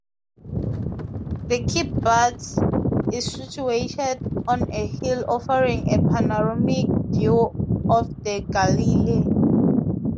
The kibbutz is situated on a hill, offering a panoramic view of the Galilee.